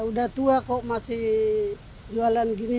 udah tua kok masih jualan ginian gitu